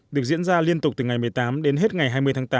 được diễn ra liên tục từ ngày một mươi tám đến hết ngày hai mươi tháng tám